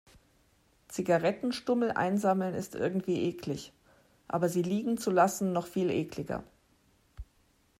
Zigarettenstummel einsammeln ist irgendwie eklig, aber sie liegen zu lassen, noch viel ekliger.